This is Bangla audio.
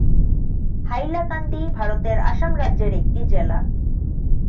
হাইলাকান্দি ভারতের আসাম রাজ্যের একটি জেলা।